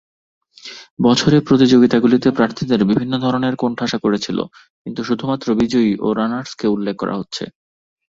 বছরে প্রতিযোগিতাগুলিতে প্রার্থীদের বিভিন্ন ধরনের কোণঠাসা করে ছিল কিন্তু শুধুমাত্র বিজয়ী ও রানার্সকে উল্লেখ করা হচ্ছে।